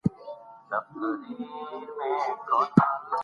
ایا تاسي د ماشومانو د راتلونکي په اړه فکر کوئ؟